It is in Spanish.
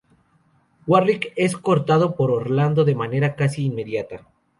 Warrick es cortado por Orlando de manera casi inmediata.